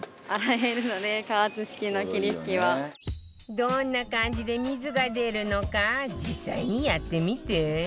どんな感じで水が出るのか実際にやってみて